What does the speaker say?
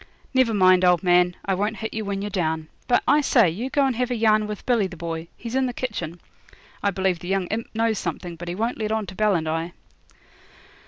Never mind, old man, I won't hit you when you're down. But, I say, you go and have a yarn with Billy the Boy he's in the kitchen. I believe the young imp knows something, but he won't let on to Bell and I.'